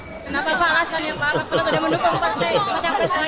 kenapa pak alas dan pak alak pernah tidak mendukung partai